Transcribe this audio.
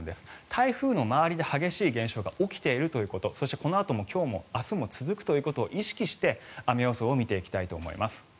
台風の周りで激しい現象が起きているということそして、このあとも今日も明日も続くということを意識して、雨予想を見ていきたいと思います。